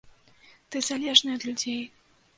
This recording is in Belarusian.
Ты залежны ад людзей.